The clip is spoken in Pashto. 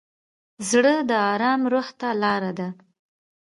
زړه د ارام روح ته لاره ده.